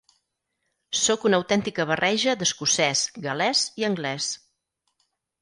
Sóc una autèntica barreja d'escocès, gal·lès i anglès.